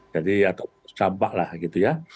jadi campak lah gitu ya